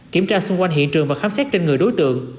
kiểm tra xung quanh hiện trường và khám xét trên người đối tượng